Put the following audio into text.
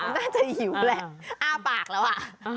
น่าจะหิวแหละอ้าปากแล้วอ่ะ